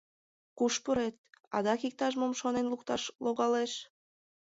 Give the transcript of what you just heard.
Куш пурет, адак иктаж-мом шонен лукташ логалеш.